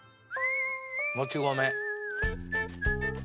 もち米。